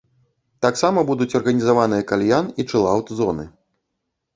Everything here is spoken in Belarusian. Таксама будуць арганізаваныя кальян- і чылаўт-зоны.